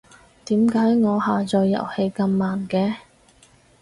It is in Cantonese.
點解我下載遊戲咁慢嘅？